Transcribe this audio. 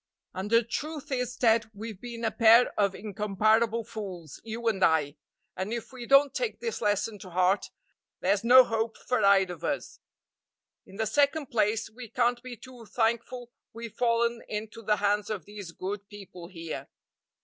And the truth is, Ted, we've been a pair of incomparable fools, you and I, and if we don't take this lesson to heart, there's no hope for either of us. In the second place, we can't be too thankful we've fallen into the hands of these good people here.